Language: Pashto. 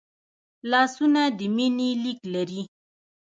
لاسونه د مینې لیک لري